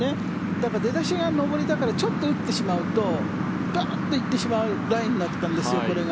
だから出だしが上りだからちょっと打ってしまうとバーッと行ってしまうラインだったんですよ。